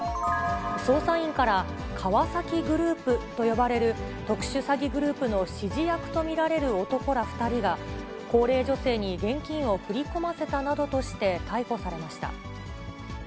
捜査員から川崎グループと呼ばれる特殊詐欺グループの指示役と見られる男ら２人が、高齢女性に現金を振り込ませたなどとして逮捕されました。